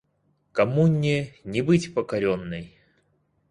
Коммуне не быть покоренной.